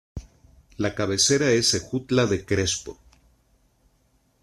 La cabecera es Ejutla de Crespo.